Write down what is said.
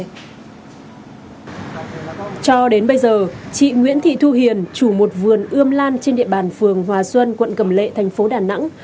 cho đến bây giờ chị nguyễn thị thu hiền chủ một vườn ươm lan trên địa bàn phường hòa xuân quận cầm lệ thành phố đà nẵng